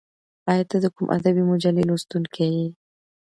ایا ته د کوم ادبي مجلې لوستونکی یې؟